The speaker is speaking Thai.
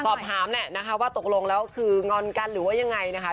สอบถามแหละนะคะว่าตกลงแล้วคืองอนกันหรือว่ายังไงนะคะ